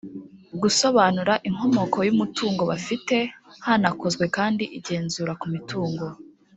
gusobanura inkomoko y umutungo bafite hanakozwe kandi igenzura ku mitungo